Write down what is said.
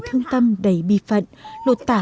thương tâm đầy bi phận lột tả